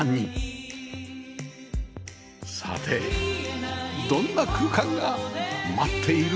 さてどんな空間が待っているんでしょうか？